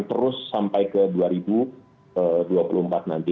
terus sampai ke dua ribu dua puluh empat nanti